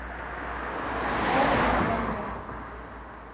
Waw'emarwa ni meso.